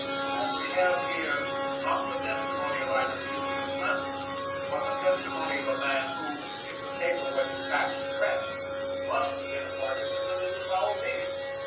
That we have here, not the testimony of either Seward or Stanton, but the testimony of a man who, if the paper was in fact suppressed, must have been a participant in the foul deed.